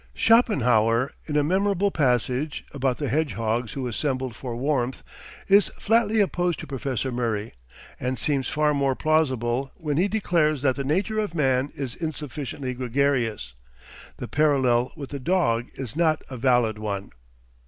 Schopenhauer in a memorable passage (about the hedgehogs who assembled for warmth) is flatly opposed to Professor Murray, and seems far more plausible when he declares that the nature of man is insufficiently gregarious. The parallel with the dog is not a valid one.